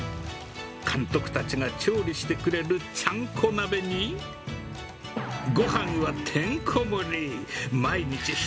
監督たちが調理してくれるちゃんこ鍋に、ごはんはてんこ盛り。